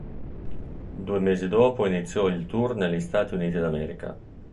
Due mesi dopo iniziò il tour negli Stati Uniti d'America.